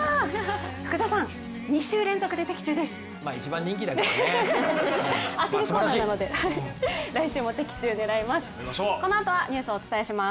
福田さん、２週連続で的中です。